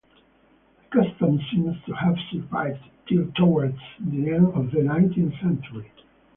The custom seems to have survived till towards the end of the nineteenth century.